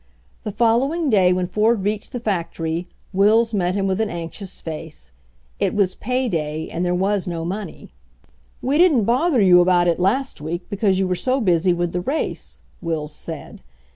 The following day when Ford reached the fac tory, Wills met him with an anxious face. It was pay day and there was no money. "We didn't bother you about it last week be cause you were so busy with the race," Wills said.